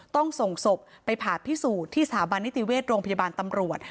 ต้องส่งศพไปผ่าพิสูจน์ที่สถาบันนิติเวชโรงพยาบาลตำรวจ